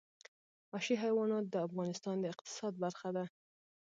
وحشي حیوانات د افغانستان د اقتصاد برخه ده.